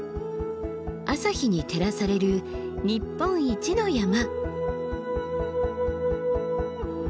朝日に照らされる日本一の山。